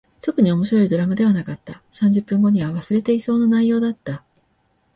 特に面白いドラマではなかった。三十分後には忘れていそうな内容だった。